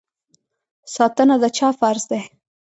ساتنه د چا فرض دی؟